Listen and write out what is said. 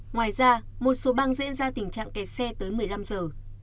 ngoài ra một số bang dễ ra tình trạng kẹt xe tới một mươi năm giờ